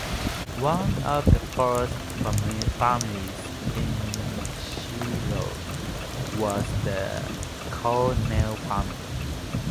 One of the first families in Shiloh was the Cornell family.